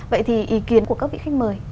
vậy thì ý kiến của các vị khách mời